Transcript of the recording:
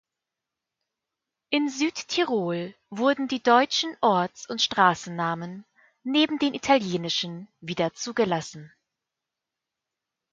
In Südtirol wurden die deutschen Orts- und Straßennamen neben den italienischen wieder zugelassen.